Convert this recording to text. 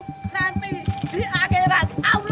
nanti di akhirat allah yang akan mengadili seperti itu